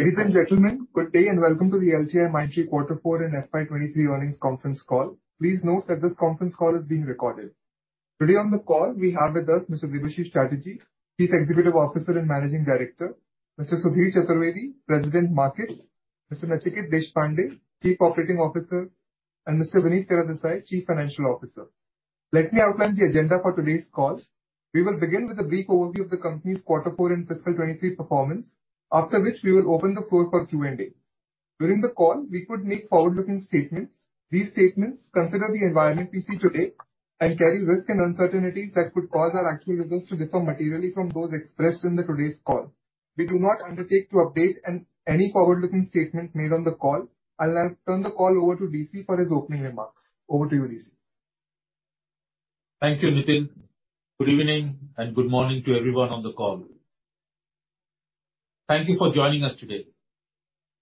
Ladies and gentlemen, good day, and welcome to the LTIMindtree Quarter Four and FY 2023 earnings conference call. Please note that this conference call is being recorded. Today on the call we have with us Mr. Debashis Chatterjee, Chief Executive Officer and Managing Director, Mr. Sudhir Chaturvedi, President, Markets, Mr. Nachiket Deshpande, Chief Operating Officer, and Mr. Vinit Teredesai, Chief Financial Officer. Let me outline the agenda for today's call. We will begin with a brief overview of the company's quarter four and fiscal 2023 performance. After which we will open the floor for Q&A. During the call we could make forward-looking statements. These statements consider the environment we see today and carry risks and uncertainties that could cause our actual results to differ materially from those expressed in the today's call. We do not undertake to update any forward-looking statement made on the call. I'll now turn the call over to DC for his opening remarks. Over to you, DC. Thank you, Nitin. Good evening, good morning to everyone on the call. Thank you for joining us today.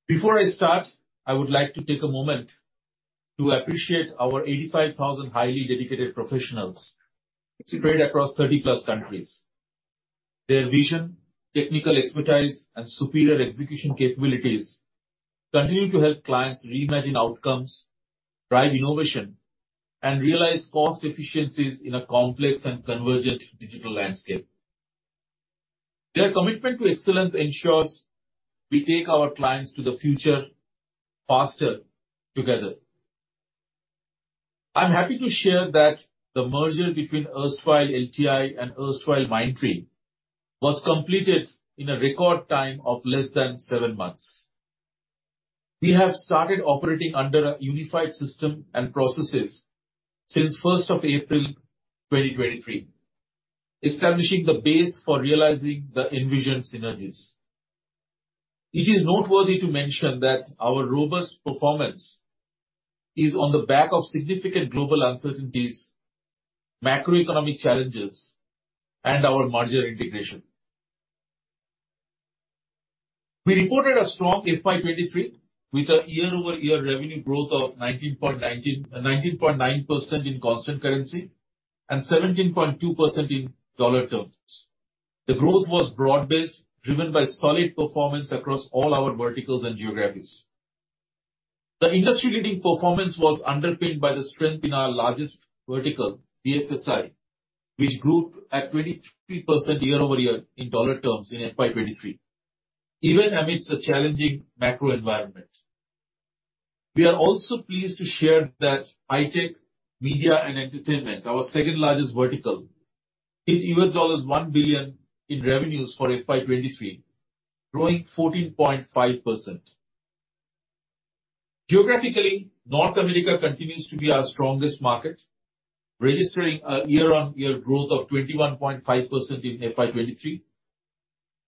Before I start, I would like to take a moment to appreciate our 85,000 highly dedicated professionals distributed across 30 plus countries. Their vision, technical expertise, and superior execution capabilities continue to help clients reimagine outcomes, drive innovation, and realize cost efficiencies in a complex and convergent digital landscape. Their commitment to excellence ensures we take our clients to the future faster together. I'm happy to share that the merger between erstwhile LTI and erstwhile Mindtree was completed in a record time of less than seven months. We have started operating under a unified system and processes since first of April 2023, establishing the base for realizing the envisioned synergies. It is noteworthy to mention that our robust performance is on the back of significant global uncertainties, macroeconomic challenges, and our merger integration. We reported a strong FY 2023 with a year-over-year revenue growth of 19.9% in constant currency and 17.2% in dollar terms. The growth was broad-based, driven by solid performance across all our verticals and geographies. The industry-leading performance was underpinned by the strength in our largest vertical, BFSI, which grew at 23% year-over-year in dollar terms in FY23, even amidst a challenging macro environment. We are also pleased to share that Hi-Tech, Media and Entertainment, our second-largest vertical, hit $1 billion in revenues for FY23, growing 14.5%. Geographically, North America continues to be our strongest market, registering a year-on-year growth of 21.5% in FY23.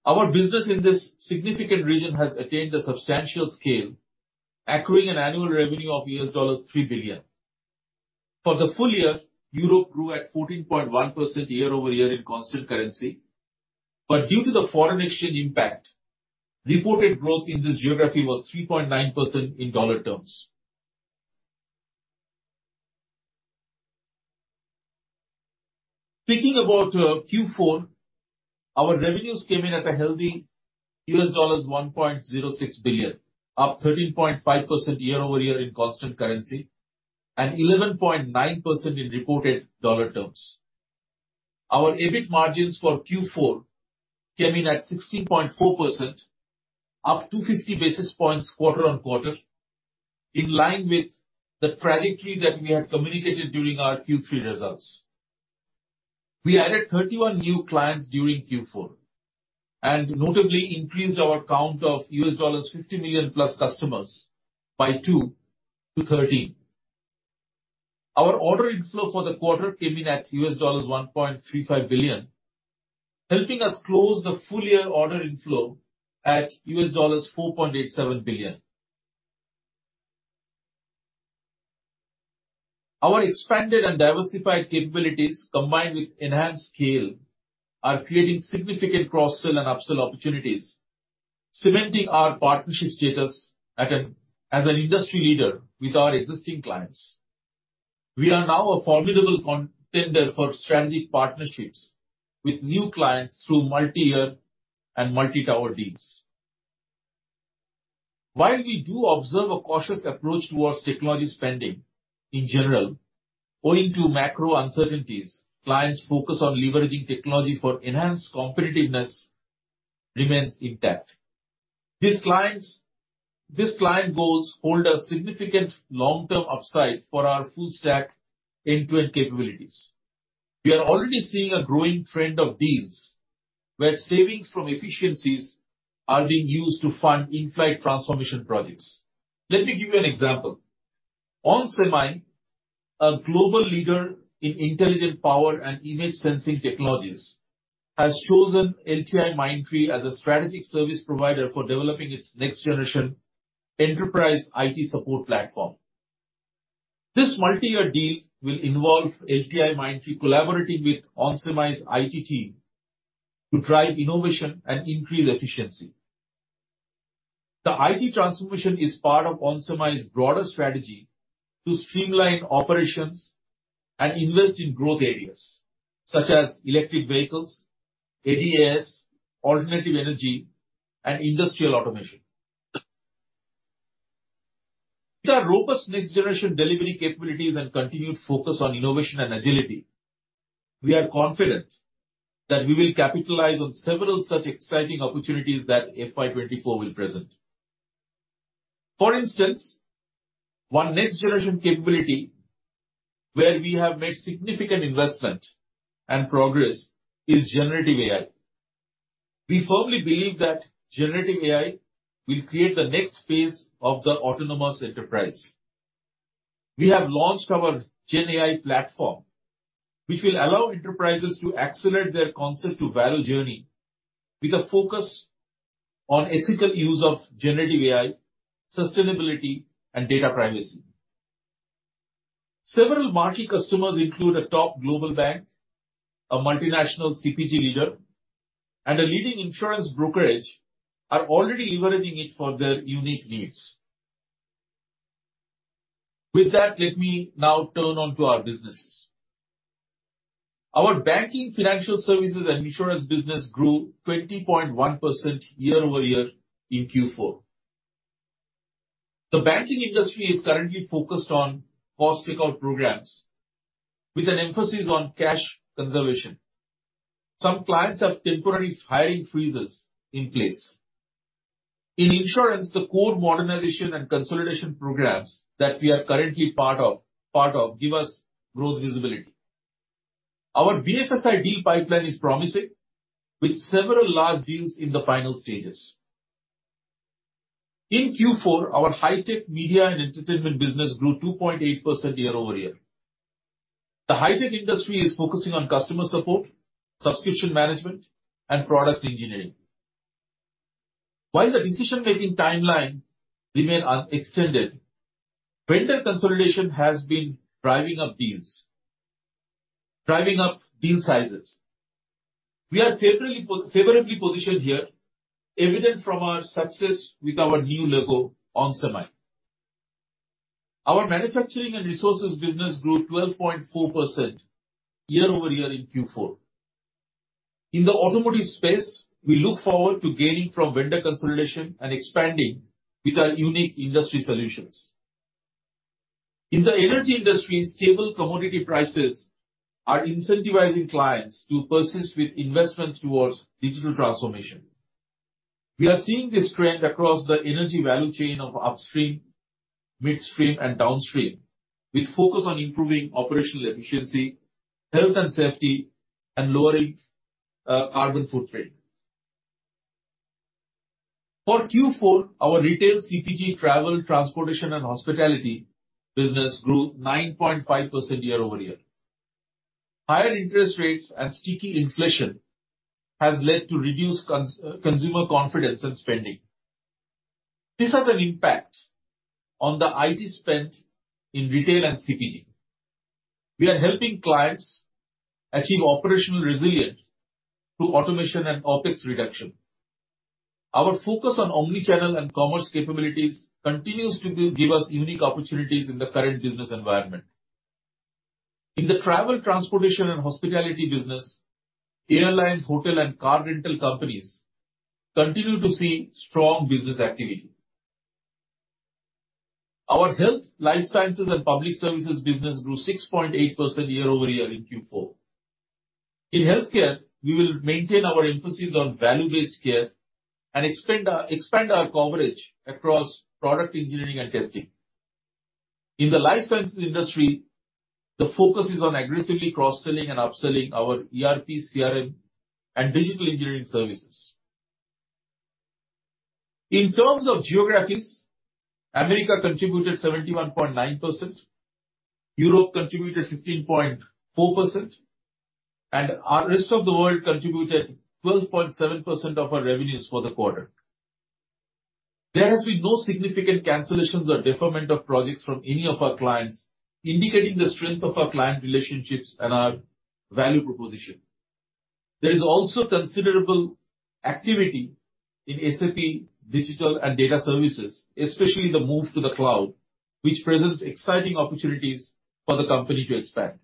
Our business in this significant region has attained a substantial scale, accruing an annual revenue of $3 billion. For the full year, Europe grew at 14.1% year-over-year in constant currency. Due to the foreign exchange impact, reported growth in this geography was 3.9% in dollar terms. Speaking about Q4, our revenues came in at a healthy $1.06 billion, up 13.5% year-over-year in constant currency and 11.9% in reported dollar terms. Our EBIT margins for Q4 came in at 16.4%, up 250 basis points quarter-on-quarter, in line with the trajectory that we had communicated during our Q3 results. We added 31 new clients during Q4 and notably increased our count of $50 million plus customers by 2 to 13. Our order inflow for the quarter came in at $1.35 billion, helping us close the full year order inflow at $4.87 billion. Our expanded and diversified capabilities, combined with enhanced scale, are creating significant cross-sell and upsell opportunities, cementing our partnership status as an industry leader with our existing clients. We are now a formidable contender for strategic partnerships with new clients through multi-year and multi-tower deals. While we do observe a cautious approach towards technology spending in general owing to macro uncertainties, clients' focus on leveraging technology for enhanced competitiveness remains intact. These client goals hold a significant long-term upside for our full stack end-to-end capabilities. We are already seeing a growing trend of deals where savings from efficiencies are being used to fund in-flight transformation projects. Let me give you an example. Onsemi, a global leader in intelligent power and image sensing technologies, has chosen LTIMindtree as a strategic service provider for developing its next generation enterprise IT support platform. This multi-year deal will involve LTIMindtree collaborating with onsemi's IT team to drive innovation and increase efficiency. The IT transformation is part of onsemi's broader strategy to streamline operations. Invest in growth areas such as electric vehicles, ADAS, alternative energy, and industrial automation. With our robust next generation delivery capabilities and continued focus on innovation and agility, we are confident that we will capitalize on several such exciting opportunities that FY 2024 will present. For instance, one next generation capability where we have made significant investment and progress is Generative AI. We firmly believe that Generative AI will create the next phase of the autonomous enterprise. We have launched our Generative AI platform, which will allow enterprises to accelerate their concept to value journey with a focus on ethical use of Generative AI, sustainability and data privacy. Several marquee customers include a top global bank, a multinational CPG leader, and a leading insurance brokerage are already leveraging it for their unique needs. With that, let me now turn on to our businesses. Our banking, financial services, and insurance business grew 20.1% year-over-year in Q4. The banking industry is currently focused on cost takeout programs with an emphasis on cash conservation. Some clients have temporary hiring freezes in place. In insurance, the core modernization and consolidation programs that we are currently part of give us growth visibility. Our BFSI deal pipeline is promising with several large deals in the final stages. In Q4, our Hi-Tech, Media and Entertainment business grew 2.8% year-over-year. The High-Tech industry is focusing on customer support, subscription management, and product engineering. While the decision-making timelines remain unextended, vendor consolidation has been driving up deals. Driving up deal sizes. We are favorably positioned here, evident from our success with our new logo, onsemi. Our manufacturing and resources business grew 12.4% year-over-year in Q4. In the automotive space, we look forward to gaining from vendor consolidation and expanding with our unique industry solutions. In the energy industry, stable commodity prices are incentivizing clients to persist with investments towards digital transformation. We are seeing this trend across the energy value chain of upstream, midstream, and downstream, with focus on improving operational efficiency, health and safety, and lowering carbon footprint. For Q4, our retail CPG, travel, transportation, and hospitality business grew 9.5% year-over-year. Higher interest rates and sticky inflation has led to reduced consumer confidence and spending. This has an impact on the IT spend in retail and CPG. We are helping clients achieve operational resilience through automation and OpEx reduction. Our focus on omni-channel and commerce capabilities continues to give us unique opportunities in the current business environment. In the travel, transportation, and hospitality business, airlines, hotel, and car rental companies continue to see strong business activity. Our health, life sciences, and public services business grew 6.8% year-over-year in Q4. In healthcare, we will maintain our emphasis on value-based care and expand our coverage across product engineering and testing. In the life sciences industry, the focus is on aggressively cross-selling and upselling our ERP, CRM, and digital engineering services. In terms of geographies, America contributed 71.9%, Europe contributed 15.4%, and our rest of the world contributed 12.7% of our revenues for the quarter. There has been no significant cancellations or deferment of projects from any of our clients, indicating the strength of our client relationships and our value proposition. There is also considerable activity in SAP digital and data services, especially the move to the cloud, which presents exciting opportunities for the company to expand.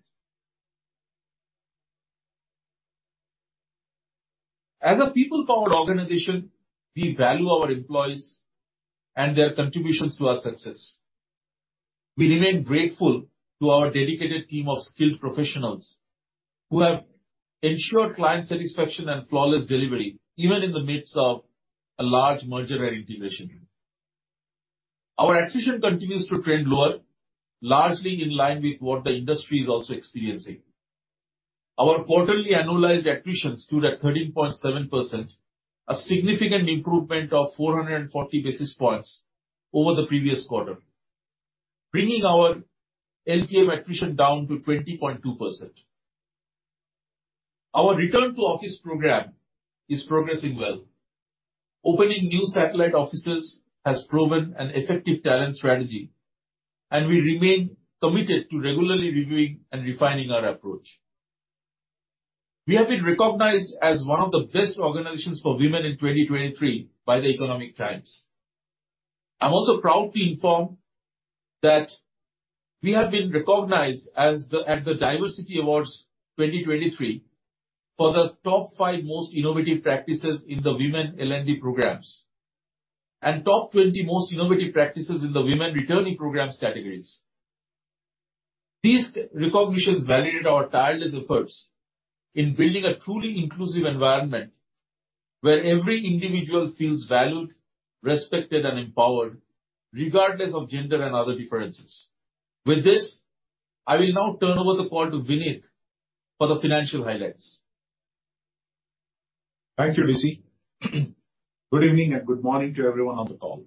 As a people-powered organization, we value our employees and their contributions to our success. We remain grateful to our dedicated team of skilled professionals who have ensured client satisfaction and flawless delivery, even in the midst of a large merger and integration. Our attrition continues to trend lower, largely in line with what the industry is also experiencing. Our quarterly annualized attrition stood at 13.7%, a significant improvement of 440 basis points over the previous quarter, bringing our LTM attrition down to 20.2%. Our return to office program is progressing well. Opening new satellite offices has proven an effective talent strategy, and we remain committed to regularly reviewing and refining our approach. We have been recognized as one of the best organizations for women in 2023 by the Economic Times. I'm also proud to inform that we have been recognized at the DivHERsity Awards 2023 for the top 5 most innovative practices in the Women L&D Programs. Top 20 most innovative practices in the women returning programs categories. These recognitions validate our tireless efforts in building a truly inclusive environment where every individual feels valued, respected, and empowered regardless of gender and other differences. With this, I will now turn over the call to Vinit for the financial highlights. Thank you, DC. Good evening and good morning to everyone on the call.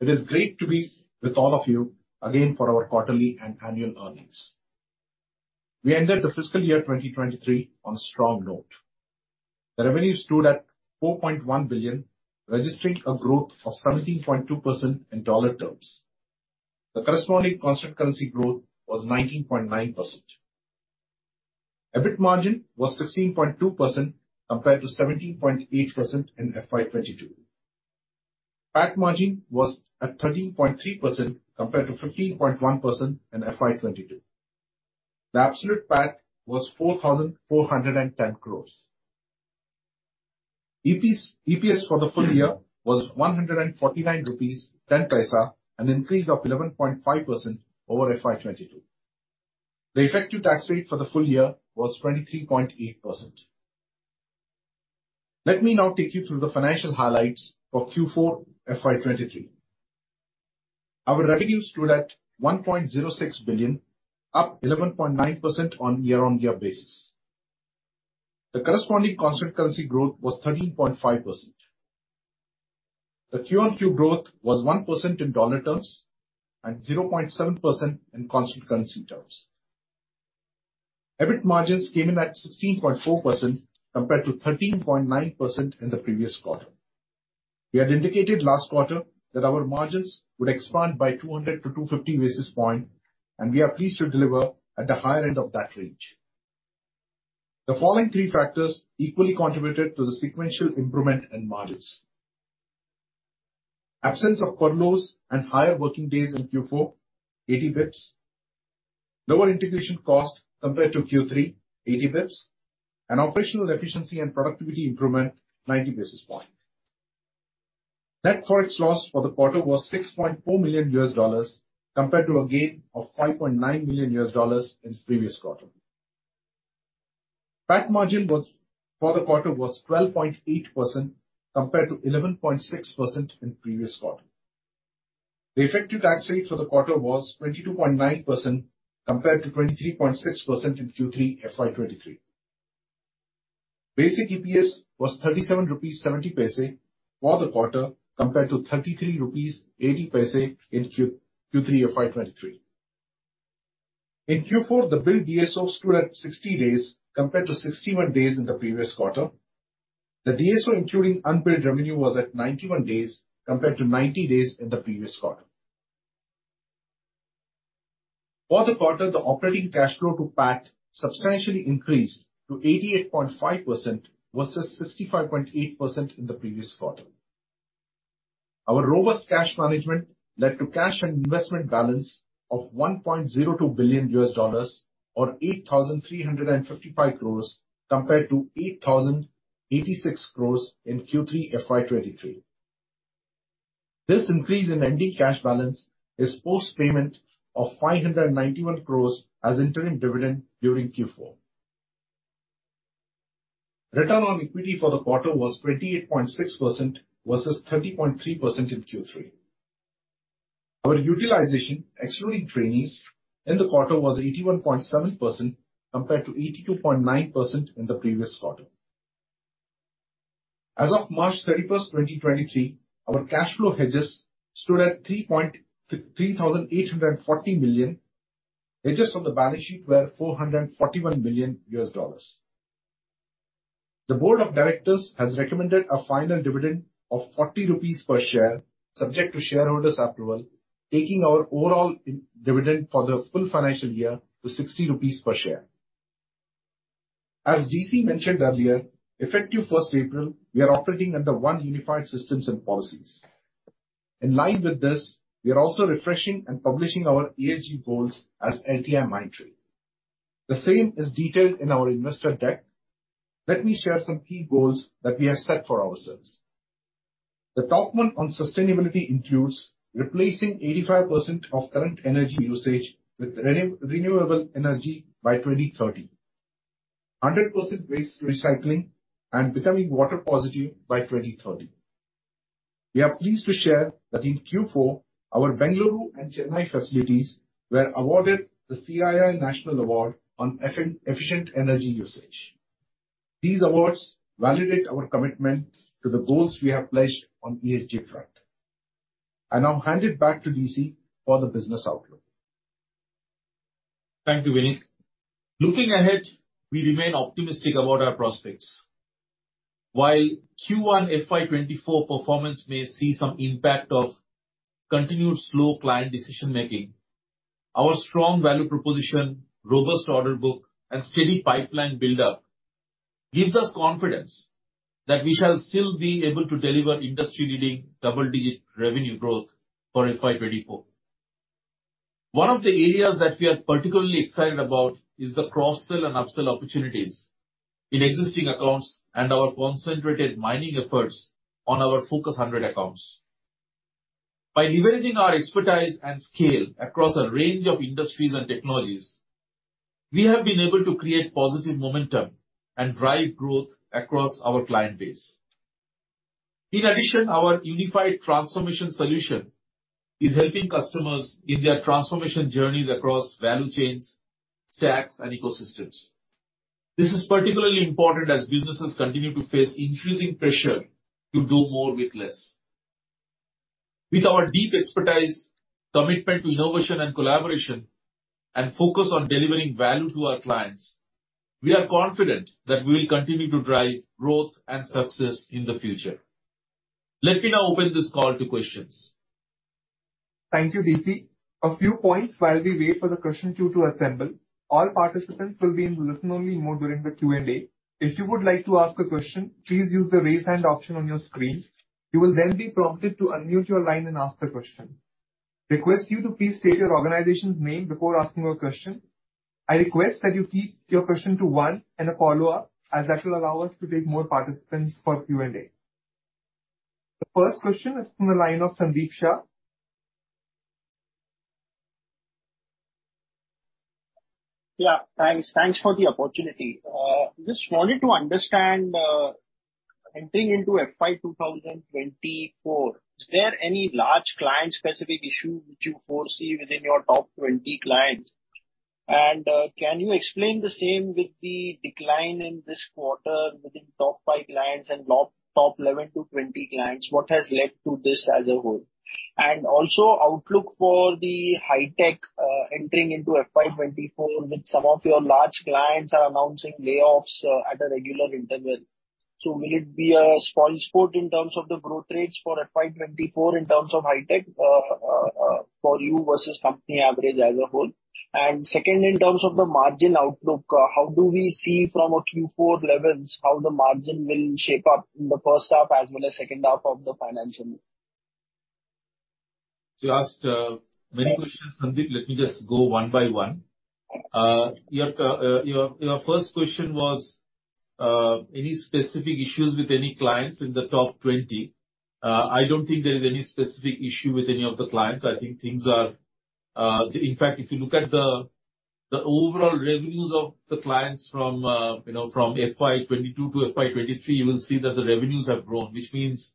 It is great to be with all of you again for our quarterly and annual earnings. We ended the fiscal year 2023 on a strong note. The revenue stood at $4.1 billion, registering a growth of 17.2% in dollar terms. The corresponding constant currency growth was 19.9%. EBIT margin was 16.2% compared to 17.8% in FY 2022. PAT margin was at 13.3% compared to 15.1% in FY 2022. The absolute PAT was 4,410 crores. EPS for the full year was 149.10 rupees, an increase of 11.5% over FY 2022. The effective tax rate for the full year was 23.8%. Let me now take you through the financial highlights for Q4 FY 2023. Our revenue stood at $1.06 billion, up 11.9% on year-on-year basis. The corresponding constant currency growth was 13.5%. The Q-on-Q growth was 1% in dollar terms and 0.7% in constant currency terms. EBIT margins came in at 16.4% compared to 13.9% in the previous quarter. We had indicated last quarter that our margins would expand by 200 to 250 basis point, we are pleased to deliver at the higher end of that range. The following three factors equally contributed to the sequential improvement in margins. Absence of furloughs and higher working days in Q4, 80 basis points. Lower integration cost compared to Q3, 80 basis points. Operational efficiency and productivity improvement, 90 basis point. Net forex loss for the quarter was $6.4 million compared to a gain of $5.9 million in the previous quarter. PAT margin for the quarter was 12.8% compared to 11.6% in the previous quarter. The effective tax rate for the quarter was 22.9% compared to 23.6% in Q3 FY23. Basic EPS was 37.70 rupees for the quarter compared to 33.80 rupees in Q3 FY23. In Q4, the bill DSO stood at 60 days compared to 61 days in the previous quarter. The DSO including unpaid revenue was at 91 days compared to 90 days in the previous quarter. For the quarter, the operating cash flow to PAT substantially increased to 88.5% versus 65.8% in the previous quarter. Our robust cash management led to cash and investment balance of $1.02 billion or 8,355 crores compared to 8,086 crores in Q3 FY23. This increase in ending cash balance is post-payment of 591 crores as interim dividend during Q4. Return on equity for the quarter was 28.6% versus 30.3% in Q3. Our utilization, excluding trainees, in the quarter was 81.7% compared to 82.9% in the previous quarter. As of March 31, 2023, our cash flow hedges stood at $3,840 million. Hedges on the balance sheet were $441 million. The board of directors has recommended a final dividend of 40 rupees per share, subject to shareholders' approval, taking our overall dividend for the full financial year to 60 rupees per share. As DC mentioned earlier, effective 1st April, we are operating under one unified systems and policies. In line with this, we are also refreshing and publishing our ESG goals as LTIMindtree. The same is detailed in our investor deck. Let me share some key goals that we have set for ourselves. The top one on sustainability includes replacing 85% of current energy usage with renewable energy by 2030. 100% waste recycling and becoming water positive by 2030. We are pleased to share that in Q4, our Bengaluru and Chennai facilities were awarded the CII National Award on efficient energy usage. These awards validate our commitment to the goals we have pledged on ESG front. I now hand it back to DC for the business outlook. Thank you, Vinit. Looking ahead, we remain optimistic about our prospects. While Q1 FY 2024 performance may see some impact of continued slow client decision making, our strong value proposition, robust order book, and steady pipeline buildup gives us confidence that we shall still be able to deliver industry-leading double-digit revenue growth for FY 2024. One of the areas that we are particularly excited about is the cross-sell and upsell opportunities in existing accounts and our concentrated mining efforts on our Focus 100 accounts. By leveraging our expertise and scale across a range of industries and technologies, we have been able to create positive momentum and drive growth across our client base. In addition, our unified transformation solution is helping customers in their transformation journeys across value chains, stacks, and ecosystems. This is particularly important as businesses continue to face increasing pressure to do more with less. With our deep expertise, commitment to innovation and collaboration, and focus on delivering value to our clients, we are confident that we will continue to drive growth and success in the future. Let me now open this call to questions. Thank you, D.C. A few points while we wait for the question queue to assemble. All participants will be in listen-only mode during the Q&A. If you would like to ask a question, please use the Raise Hand option on your screen. You will then be prompted to unmute your line and ask the question. Request you to please state your organization's name before asking your question. I request that you keep your question to one and a follow-up, as that will allow us to take more participants for Q&A. The first question is from the line of Sandeep Shah. Yeah. Thanks. Thanks for the opportunity. Just wanted to understand, entering into FY 2024, is there any large client-specific issue which you foresee within your top 20 clients? Can you explain the same with the decline in this quarter within top five clients and top 11-20 clients? What has led to this as a whole? Also outlook for the High-Tech, entering into FY 2024, with some of your large clients are announcing layoffs at a regular interval. Will it be a spoilsport in terms of the growth rates for FY 2024 in terms of Hi-Tech for you versus company average as a whole? Second, in terms of the margin outlook, how do we see from a Q4 levels how the margin will shape up in the first half as well as second half of the financial year? You asked many questions, Sandeep. Let me just go one by one. Your first question was any specific issues with any clients in the top 20. I don't think there is any specific issue with any of the clients. I think things are... In fact, if you look at the overall revenues of the clients from, you know, from FY 2022 to FY 2023, you will see that the revenues have grown, which means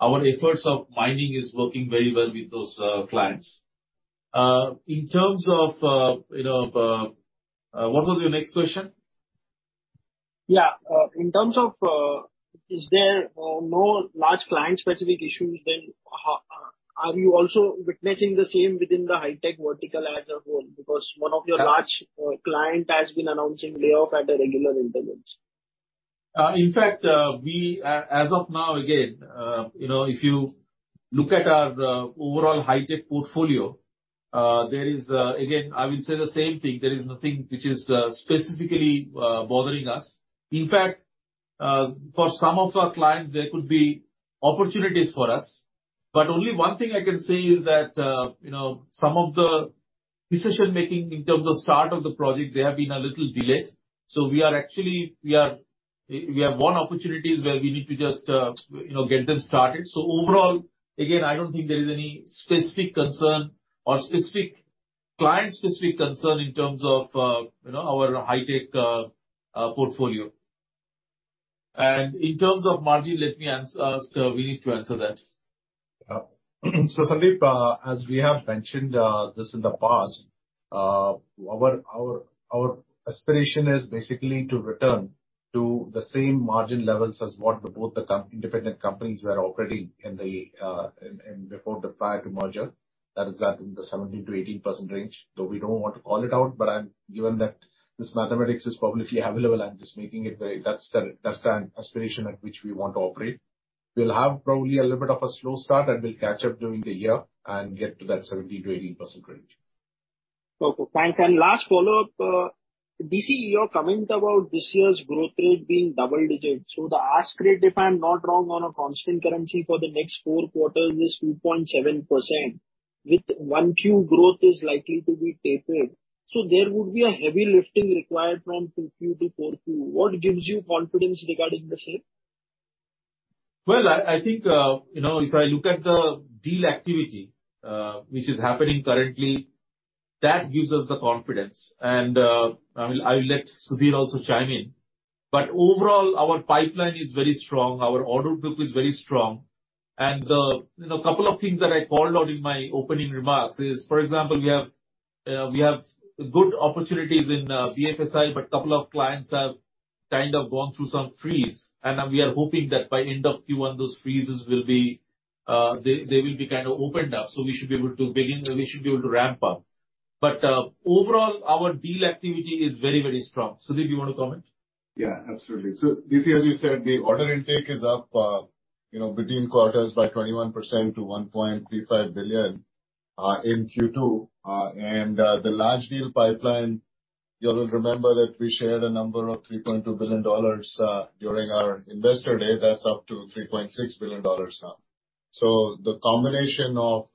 our efforts of mining is working very well with those clients. In terms of, you know, what was your next question? Yeah. In terms of, is there no large client-specific issues, how are you also witnessing the same within the Hi-Tech vertical as a whole? One of your large clients has been announcing layoffs at regular intervals. In fact, we, as of now, again, you know, if you look at our overall Hi-Tech portfolio, there is, again, I will say the same thing. There is nothing which is specifically bothering us. In fact, for some of our clients, there could be opportunities for us. Only one thing I can say is that, you know, some of the decision-making in terms of start of the project, they have been a little delayed. We are actually, we have won opportunities where we need to just, you know, get them started. Overall, again, I don't think there is any specific concern or specific, client-specific concern in terms of, you know, our High-Tech portfolio. In terms of margin, let me ask Sudhir to answer that. Sandeep, as we have mentioned this in the past, our aspiration is basically to return to the same margin levels as what the both the independent companies were operating before the prior to merger. That is at, in the 17%-18% range. Though we don't want to call it out, but I'm given that this mathematics is publicly available, that's the aspiration at which we want to operate. We'll have probably a little bit of a slow start, and we'll catch up during the year and get to that 17%-18% range. Okay. Thanks. Last follow-up, DC, your comment about this year's growth rate being double digits. The ask rate, if I'm not wrong, on a constant currency for the next four quarters is 2.7%, with 1Q growth is likely to be tapered. There would be a heavy lifting required from 2Q to 4Q. What gives you confidence regarding the same? I think, you know, if I look at the deal activity, which is happening currently, that gives us the confidence and I will let Sudhir also chime in. Overall, our pipeline is very strong. Our order book is very strong. The, you know, couple of things that I called out in my opening remarks is, for example, we have good opportunities in BFSI, but couple of clients have kind of gone through some freeze. We are hoping that by end of Q1, those freezes will be, they will be kind of opened up. We should be able to begin and we should be able to ramp up. overall our deal activity is very, very strong. Sudhir, do you wanna comment? Absolutely. DC, as you said, the order intake is up, you know, between quarters by 21% to $1.35 billion in Q2. The large deal pipeline, you'll remember that we shared a number of $3.2 billion during our investor day. That's up to $3.6 billion now. The combination of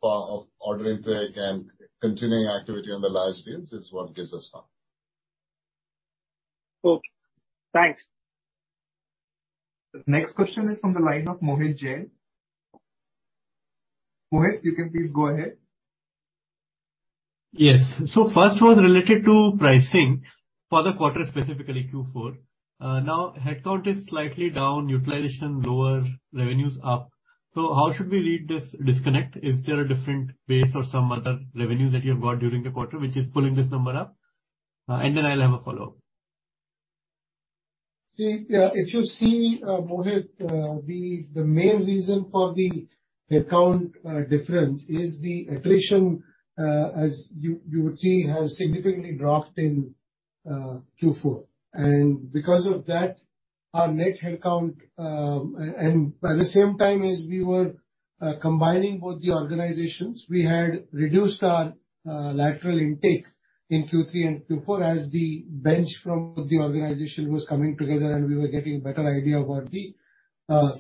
order intake and continuing activity on the large deals is what gives us hope. Cool. Thanks. The next question is from the line of Mohit Jain. Mohit, you can please go ahead. Yes. First was related to pricing for the quarter, specifically Q4. Now headcount is slightly down, utilization lower, revenue's up. How should we read this disconnect? Is there a different base or some other revenue that you've got during the quarter which is pulling this number up? I'll have a follow-up. See, if you see, Mohit, the main reason for the headcount difference is the attrition, as you would see, has significantly dropped in Q4. Because of that, our net headcount, and by the same time as we were combining both the organizations, we had reduced our lateral intake in Q3 and Q4 as the bench from the organization was coming together and we were getting a better idea about the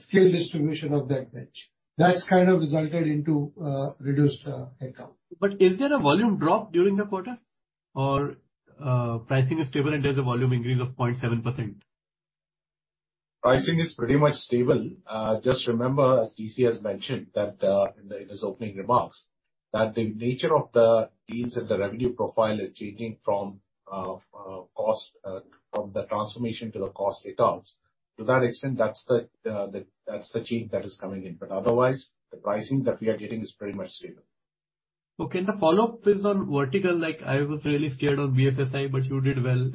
skill distribution of that bench. That's kind of resulted into reduced headcount. Is there a volume drop during the quarter? Or pricing is stable and there's a volume increase of 0.7%. Pricing is pretty much stable. Just remember, as DC has mentioned, that, in his opening remarks, that the nature of the deals and the revenue profile is changing from the transformation to the cost add-ons. To that extent, that's the change that is coming in. Otherwise, the pricing that we are getting is pretty much stable. Okay. The follow-up is on vertical. Like, I was really scared of BFSI, but you did well.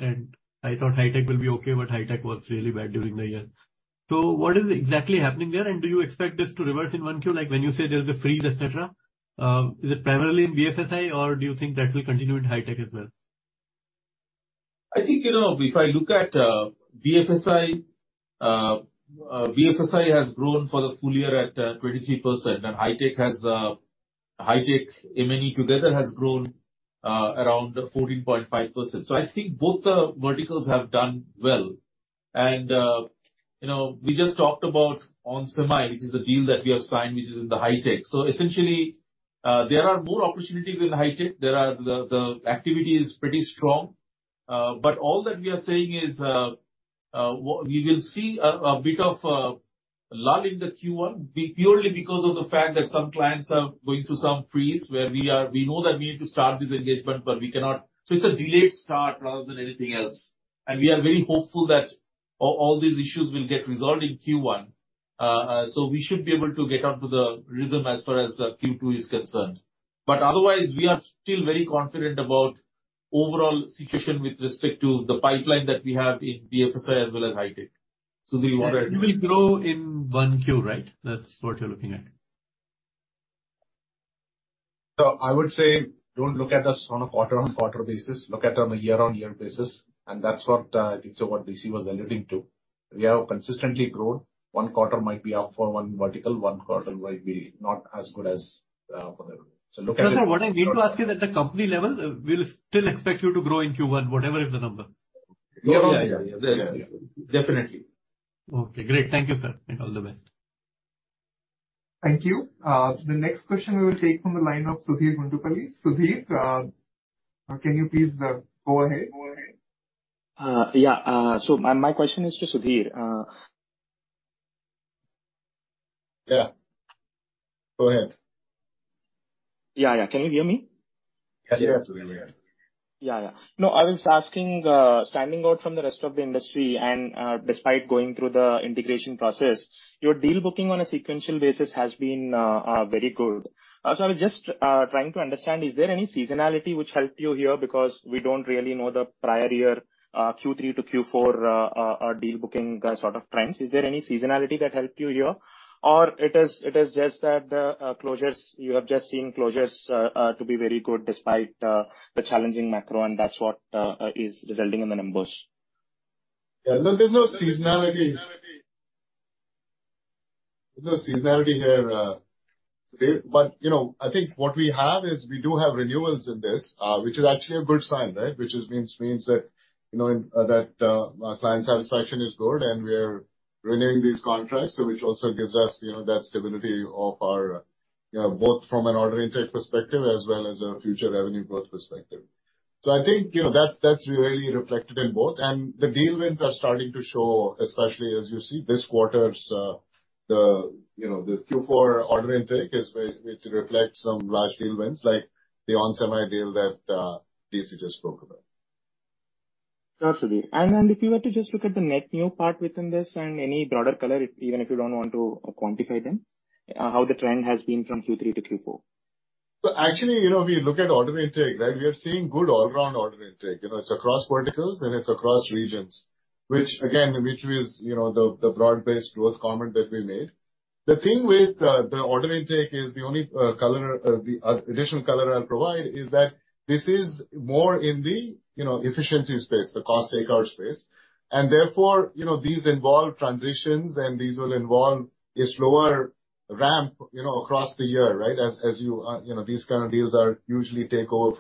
I thought Hi-Tech will be okay, but Hi-Tech was really bad during the year. What is exactly happening there? Do you expect this to reverse in 1Q? Like when you say there's a freeze, et cetera, is it primarily in BFSI or do you think that will continue in Hi-Tech as well? I think, you know, if I look at BFSI has grown for the full year at 23%. Hi-Tech M&E together has grown around 14.5%. I think both the verticals have done well. you know, we just talked about onsemi, which is a deal that we have signed, which is in the Hi-Tech. Essentially, there are more opportunities in Hi-Tech. The activity is pretty strong. All that we are saying is, what we will see a bit of a lull in the Q1, purely because of the fact that some clients are going through some freeze where we know that we need to start this engagement, but we cannot. It's a delayed start rather than anything else. We are very hopeful that all these issues will get resolved in Q1. We should be able to get up to the rhythm as far as Q2 is concerned. Otherwise, we are still very confident about overall situation with respect to the pipeline that we have in BFSI as well as Hi-Tech. Sudhir, you wanna add? It will grow in 1Q, right? That's what you're looking at. I would say don't look at us on a quarter-on-quarter basis, look at on a year-on-year basis, and that's what I think so what DC was alluding to. We have consistently grown. One quarter might be up for one vertical, one quarter might be not as good as another. Look at it. No, sir. What I mean to ask is at the company level, we'll still expect you to grow in Q1, whatever is the number. Yeah. Yeah. Yeah. Definitely. Okay, great. Thank you, sir, and all the best. Thank you. The next question we will take from the line of Sudheer Guntupalli. Sudheer, can you please, go ahead? Go ahead. Yeah. My, my question is to Sudhir. Yeah. Go ahead. Yeah, yeah. Can you hear me? Yes, we can. Yeah, yeah. No, I was asking, standing out from the rest of the industry and, despite going through the integration process, your deal booking on a sequential basis has been very good. I was just trying to understand, is there any seasonality which helped you here? Because we don't really know the prior year Q3 to Q4 deal booking sort of trends. Is there any seasonality that helped you here? Or it is just that closures you have just seen closures to be very good despite the challenging macro and that's what is resulting in the numbers? Yeah, no, there's no seasonality. There's no seasonality here, Sudheer. You know, I think what we have is we do have renewals in this, which is actually a good sign, right? Which just means that, you know, that our client satisfaction is good and we're renewing these contracts, which also gives us, you know, that stability of our, you know, both from an order intake perspective as well as a future revenue growth perspective. I think, you know, that's really reflected in both. The deal wins are starting to show, especially as you see this quarter's, the, you know, the Q4 order intake is which reflects some large deal wins, like the onsemi deal that DC just spoke about. Got you. If you were to just look at the net new part within this and any broader color, if even if you don't want to quantify them, how the trend has been from Q3 to Q4? Actually, you know, we look at order intake, right? We are seeing good all-around order intake. You know, it's across verticals and it's across regions, which again, which is, you know, the broad-based growth comment that we made. The thing with the order intake is the only color the additional color I'll provide is that this is more in the, you know, efficiency space, the cost takeout space. Therefore, you know, these involve transitions and these will involve a slower ramp, you know, across the year, right. As you know, these kind of deals are usually take over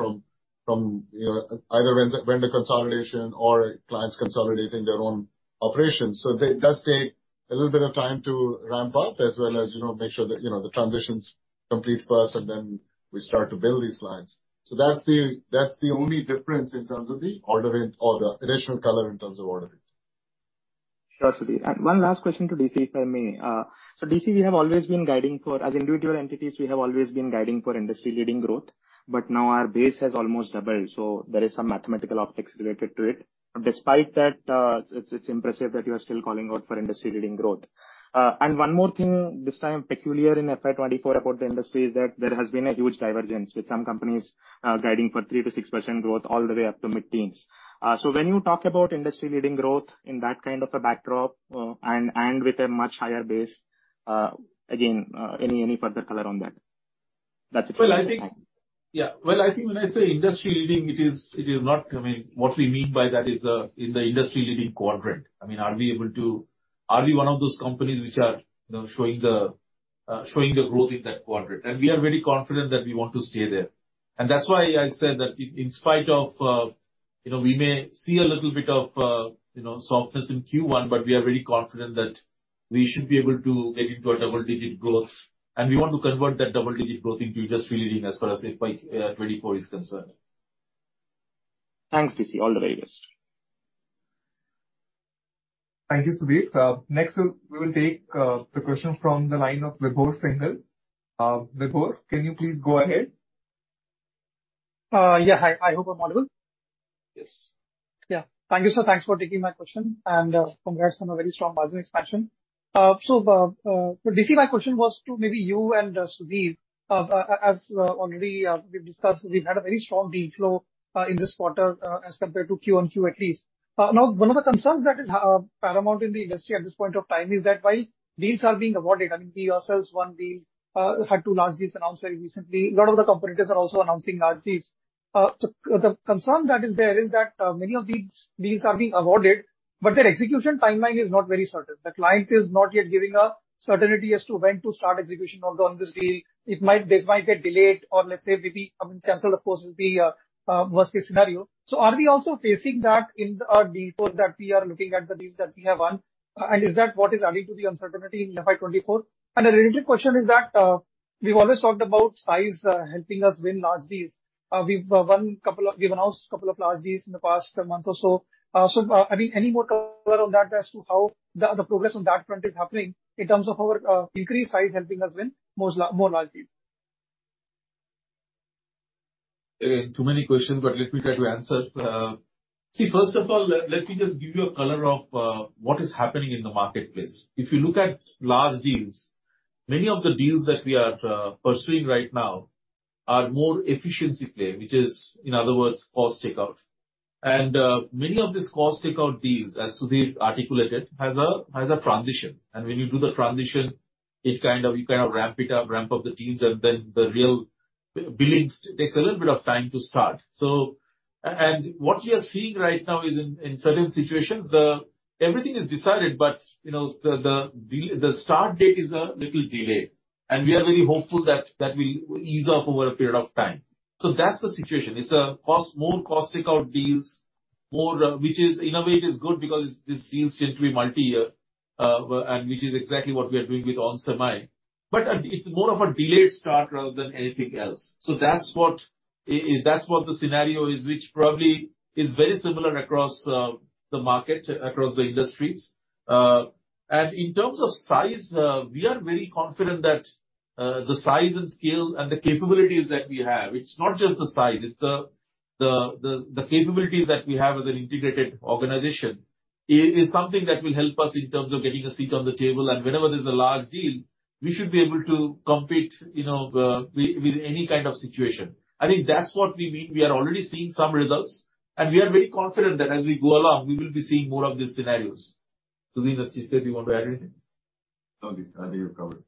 from, you know, either vendor consolidation or clients consolidating their own operations. It does take a little bit of time to ramp up as well as, you know, make sure that, you know, the transition's complete first and then we start to bill these clients. That's the only difference in terms of the order or the additional color in terms of order intake. Sure, Sudhir. One last question to DC, if I may. DC, we have always been guiding for As individual entities, we have always been guiding for industry-leading growth, but now our base has almost doubled, so there is some mathematical optics related to it. Despite that, it's impressive that you are still calling out for industry-leading growth. One more thing this time peculiar in FY 2024 about the industry is that there has been a huge divergence with some companies guiding for 3%-6% growth all the way up to mid-teens. When you talk about industry-leading growth in that kind of a backdrop, and with a much higher base, again, any further color on that? That's it for now. Well, I think when I say industry-leading, it is not. I mean, what we mean by that is the, in the industry-leading quadrant. I mean, are we one of those companies which are, you know, showing the growth in that quadrant? We are very confident that we want to stay there. That's why I said that in spite of, you know, we may see a little bit of, you know, softness in Q1, but we are very confident that we should be able to get into a double-digit growth. We want to convert that double-digit growth into industry-leading as far as FY 2024 is concerned. Thanks, DC. All the very best. Thank you, Sudheer. Next we will take the question from the line of Vibhor Singhal. Vibhor, can you please go ahead? Yeah. Hi, I hope I'm audible. Yes. Yeah. Thank you, sir. Thanks for taking my question. Congrats on a very strong margin expansion. DC, my question was to maybe you and Sudhir. As already, we've discussed, we've had a very strong deal flow in this quarter, as compared to Q-on-Q at least. One of the concerns that is paramount in the industry at this point of time is that while deals are being awarded, I mean, we ourselves won deals, had two large deals announced very recently. A lot of the competitors are also announcing large deals. The concern that is there is that many of these deals are being awarded, but their execution timeline is not very certain. The client is not yet giving a certainty as to when to start execution of the, on this deal. This might get delayed or let's say maybe, I mean, cancel of course will be worst case scenario. Are we also facing that in our deal flow that we are looking at the deals that we have won? Is that what is adding to the uncertainty in FY 2024? A related question is that we've always talked about size helping us win large deals. We've announced couple of large deals in the past month or so. I mean, any more color on that as to how the progress on that front is happening in terms of our increased size helping us win more large deals? Too many questions, but let me try to answer. First of all, let me just give you a color of what is happening in the marketplace. If you look at large deals, many of the deals that we are pursuing right now are more efficiency play, which is, in other words, cost takeout. Many of these cost takeout deals, as Sudhir articulated, has a transition. When you do the transition, you kind of ramp up the deals, and then the real billings takes a little bit of time to start. What we are seeing right now is in certain situations, everything is decided, but, you know, the start date is a little delayed. We are very hopeful that will ease up over a period of time. That's the situation. It's more cost takeout deals, more, which is, in a way it is good because these deals tend to be multi-year, and which is exactly what we are doing with onsemi. It's more of a delayed start rather than anything else. That's what the scenario is, which probably is very similar across the market, across the industries. In terms of size, we are very confident that the size and scale and the capabilities that we have, it's not just the size, it's the capabilities that we have as an integrated organization is something that will help us in terms of getting a seat on the table. Whenever there's a large deal, we should be able to compete, you know, with any kind of situation. I think that's what we mean. We are already seeing some results, and we are very confident that as we go along, we will be seeing more of these scenarios. Sudhir, if you said you want to add anything? No, D.C. I think you're covered.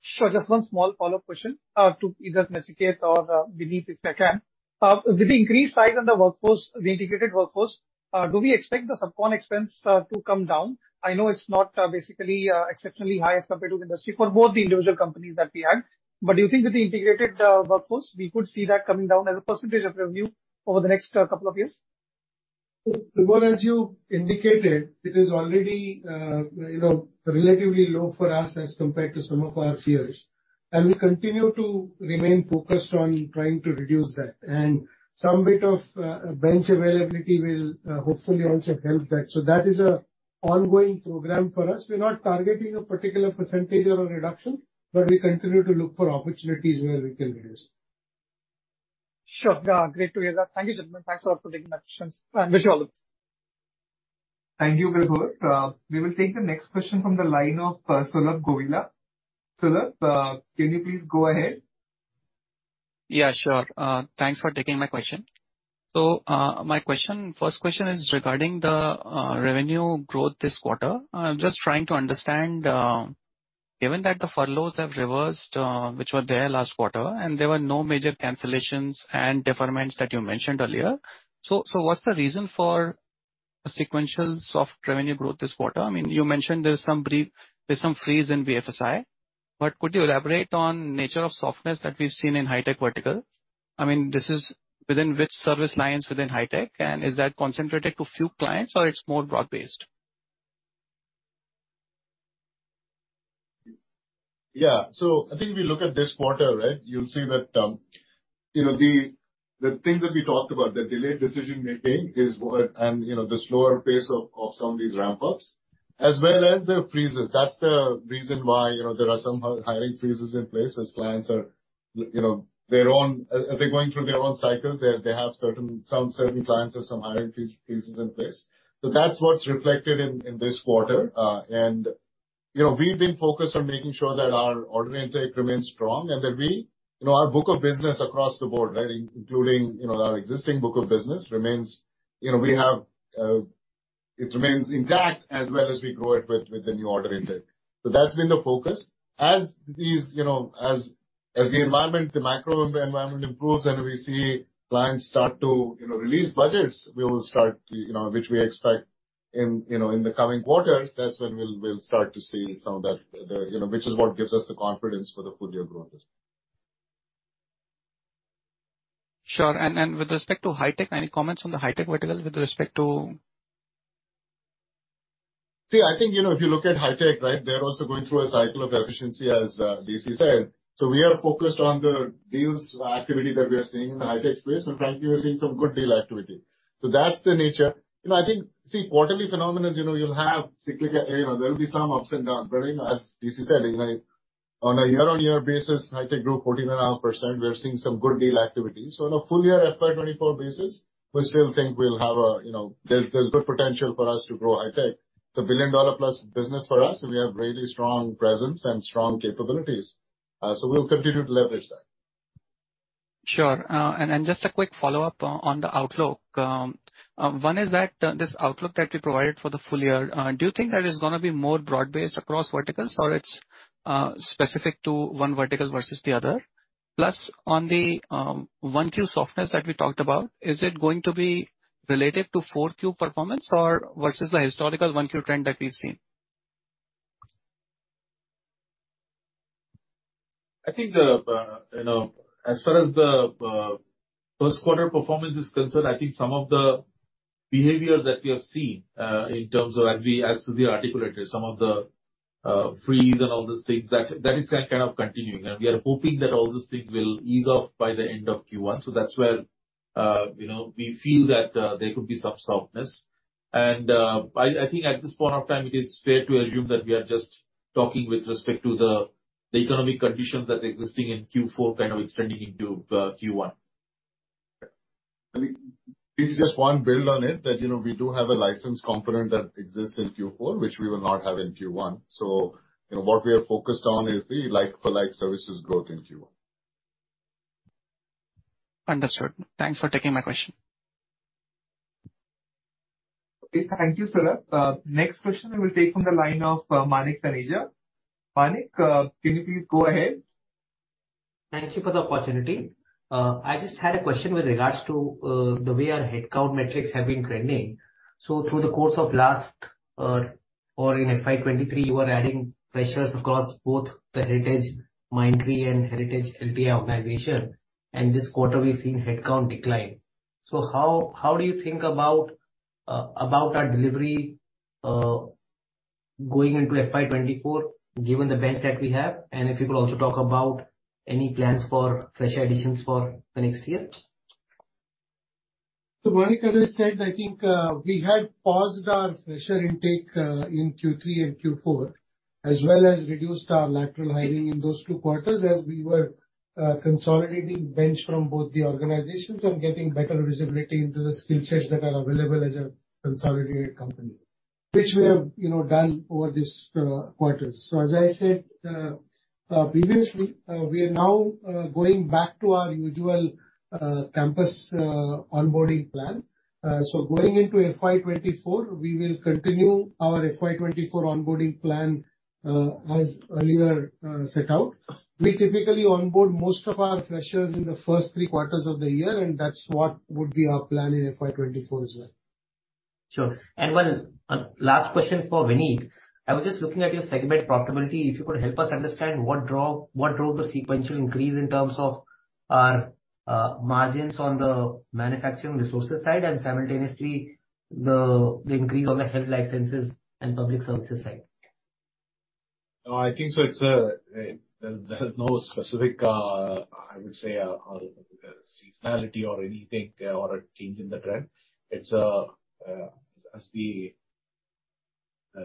Sure. Just one small follow-up question, to either Nachiket or Vinit if I can. With the increased size on the workforce, the integrated workforce, do we expect the subcon expense to come down? I know it's not, basically, exceptionally high as compared to industry for both the individual companies that we had. Do you think with the integrated workforce, we could see that coming down as a % of revenue over the next couple of years? Vibhor, as you indicated, it is already, you know, relatively low for us as compared to some of our peers. We continue to remain focused on trying to reduce that. Some bit of bench availability will, hopefully also help that. That is a ongoing program for us. We're not targeting a particular % or a reduction, but we continue to look for opportunities where we can reduce. Sure. Yeah, great to hear that. Thank you, gentlemen. Thanks a lot for taking my questions. Wish you all the best. Thank you, Vibhor. We will take the next question from the line of Sulabh Govila. Sulabh, can you please go ahead? Yeah, sure. Thanks for taking my question. My question, first question is regarding the revenue growth this quarter. I'm just trying to understand, given that the furloughs have reversed, which were there last quarter, and there were no major cancellations and deferments that you mentioned earlier. What's the reason for a sequential soft revenue growth this quarter? I mean, you mentioned there's some freeze in BFSI, but could you elaborate on nature of softness that we've seen in Hi-Tech vertical? I mean, this is within which service lines within Hi-Tech, and is that concentrated to few clients or it's more broad-based? Yeah. I think if you look at this quarter, right, you'll see that, you know, the things that we talked about, the delayed decision-making is what. You know, the slower pace of some of these ramp-ups, as well as the freezes. That's the reason why, you know, there are some hiring freezes in place as clients are, you know, their own, they're going through their own cycles. They have certain clients have some hiring freezes in place. That's what's reflected in this quarter. You know, we've been focused on making sure that our order intake remains strong and that we, you know, our book of business across the board, right, including, you know, our existing book of business remains. You know, we have, it remains intact as well as we grow it with the new order intake. That's been the focus. As these, you know, as the environment, the macro environment improves and we see clients start to, you know, release budgets, we will start, you know, which we expect in, you know, in the coming quarters, that's when we'll start to see some of that, you know, which is what gives us the confidence for the full year growth as well. Sure. Then with respect to Hi-Tech, any comments on the Hi-Tech vertical with respect to... See, I think, you know, if you look at High-Tech, right, they're also going through a cycle of efficiency, as DC said. We are focused on the deals activity that we are seeing in the Hi-Tech space. Frankly, we're seeing some good deal activity. That's the nature. You know, I think, see quarterly phenomenons, you know, you'll have cyclical, you know, there'll be some ups and downs. As DC said, you know, on a year-on-year basis, Hi-Tech grew 14.5%. We are seeing some good deal activity. On a full year FY24 basis, we still think we'll have a, you know... there's good potential for us to grow Hi-Tech. It's a $1 billion-plus business for us, and we have really strong presence and strong capabilities. So we'll continue to leverage that. Sure. Just a quick follow-up on the outlook. One is that this outlook that we provided for the full year, do you think that is gonna be more broad-based across verticals, or it's specific to one vertical versus the other? Plus on the 1Q softness that we talked about, is it going to be related to 4Q performance or versus the historical 1Q trend that we've seen? I think the, you know, as far as the first quarter performance is concerned, I think some of the behaviors that we have seen, in terms of as Sudhir articulated, some of the freeze and all those things, that is kind of continuing. We are hoping that all those things will ease off by the end of Q1. That's where, you know, we feel that there could be some softness. I think at this point of time, it is fair to assume that we are just talking with respect to the economic conditions that's existing in Q4 kind of extending into Q1. I think this is just one build on it that, you know, we do have a license component that exists in Q4, which we will not have in Q1. You know, what we are focused on is the like-for-like services growth in Q1. Understood. Thanks for taking my question. Okay. Thank you, Sulabh. Next question we'll take from the line of Manik Taneja. Manik, can you please go ahead. Thank you for the opportunity. I just had a question with regards to the way our headcount metrics have been trending. Through the course of last or in FY 2023, you were adding freshers across both the Heritage Mindtree and Heritage LTI organization, and this quarter we've seen headcount decline. How do you think about our delivery going into FY 2024, given the bench that we have? If you could also talk about any plans for fresher additions for the next year. Manik, as I said, I think, we had paused our fresher intake in Q3 and Q4, as well as reduced our lateral hiring in those two quarters as we were consolidating bench from both the organizations and getting better visibility into the skill sets that are available as a consolidated company. Which we have, you know, done over this quarters. As I said, previously, we are now going back to our usual campus onboarding plan. Going into FY 2024, we will continue our FY 2024 onboarding plan as earlier set out. We typically onboard most of our freshers in the first three quarters of the year, that's what would be our plan in FY24 as well. Sure. One last question for Vinit. I was just looking at your segment profitability. If you could help us understand what drove the sequential increase in terms of margins on the Manufacturing Resources side and simultaneously the increase on the Health, Life Sciences and Public Services side. No, I think so it's, there's no specific, I would say, seasonality or anything or a change in the trend. It's, as the,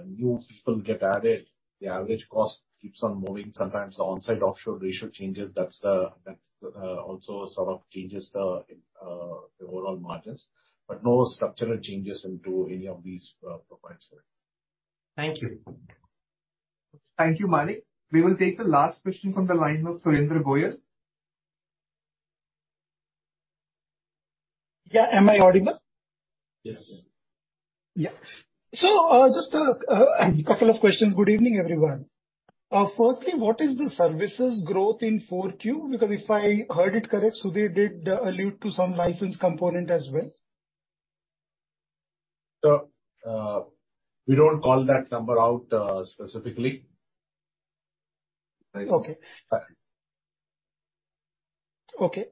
new people get added, the average cost keeps on moving. Sometimes the on-site offshore ratio changes. That's also sort of changes the overall margins, but no structural changes into any of these, profiles here. Thank you. Thank you, Manik. We will take the last question from the line of Surendra Goyal. Yeah. Am I audible? Yes. Yeah. Just a couple of questions. Good evening, everyone. Firstly, what is the services growth in 4Q? Because if I heard it correct, Sudhir did allude to some license component as well. We don't call that number out specifically. Okay. Fine. Okay.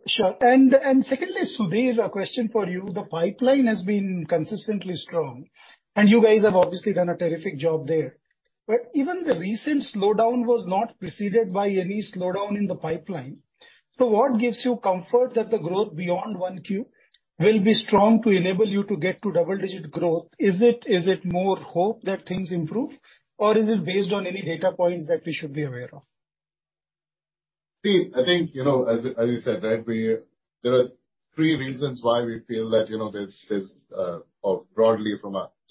Sure. Secondly, Sudhir, a question for you. The pipeline has been consistently strong, and you guys have obviously done a terrific job there. Even the recent slowdown was not preceded by any slowdown in the pipeline. What gives you comfort that the growth beyond 1Q will be strong to enable you to get to double-digit growth? Is it more hope that things improve, or is it based on any data points that we should be aware of? See, I think, you know, as you said, right, there are three reasons why we feel that, you know, there's broadly.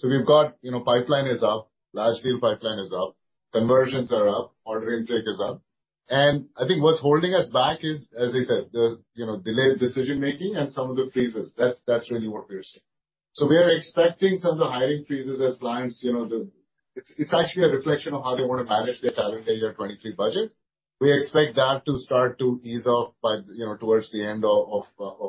We've got, you know, pipeline is up. Large deal pipeline is up. Conversions are up. Order intake is up. I think what's holding us back is, as I said, the, you know, delayed decision-making and some of the freezes. That's really what we are seeing. We are expecting some of the hiring freezes as clients, you know. It's actually a reflection of how they wanna manage their financial year 2023 budget. We expect that to start to ease off by, you know, towards the end of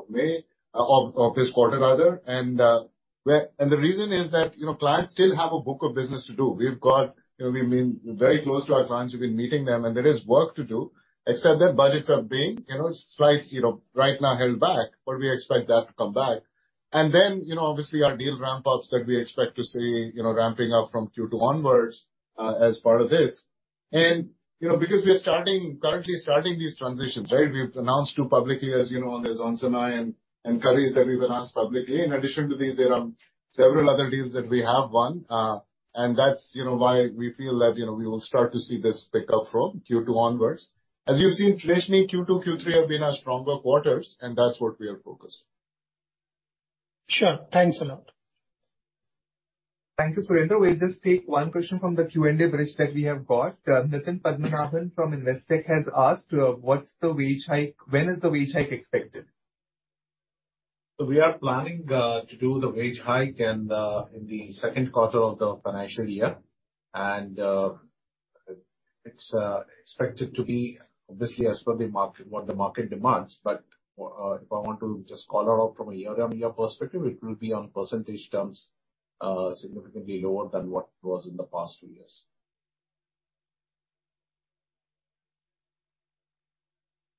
May, of this quarter rather. The reason is that, you know, clients still have a book of business to do. We've got, you know, we've been very close to our clients. We've been meeting them, and there is work to do. Except that budgets are being, you know, slight, you know, right now held back, but we expect that to come back. You know, obviously our deal ramp-ups that we expect to see, you know, ramping up from Q2 onwards as part of this. You know, because we are currently starting these transitions, right? We've announced to publicly, as you know, on the onsemi and Currys that we've announced publicly. In addition to these, there are several other deals that we have won. That's, you know, why we feel that, you know, we will start to see this pick up from Q2 onwards. As you've seen, traditionally, Q2, Q3 have been our stronger quarters, and that's what we are focused on. Sure. Thanks a lot. Thank you, Surendra. We'll just take one question from the Q&A bridge that we have got. Nitin Padmanabhan from Investec has asked, what's the wage hike? When is the wage hike expected? We are planning to do the wage hike in the second quarter of the financial year. It's expected to be obviously as per the market, what the market demands. If I want to just call out from a year-on-year perspective, it will be on percentage terms, significantly lower than what was in the past two years.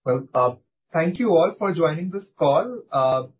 Well, thank you all for joining this call.